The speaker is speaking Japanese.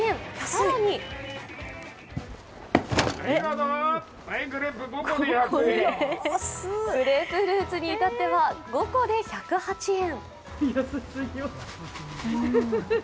更にグレープフルーツにいたっては５個で１０８円。